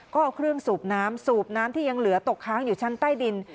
ก็เอาเครื่องสูบน้ำสูบน้ำที่ยังเหลือตกค้างอยู่ชั้นใต้ดิน